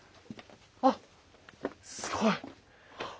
あっすごい。